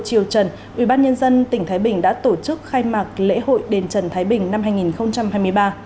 chiều trần ubnd tỉnh thái bình đã tổ chức khai mạc lễ hội đền trần thái bình năm hai nghìn hai mươi ba